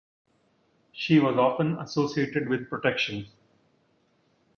She was often associated with protection.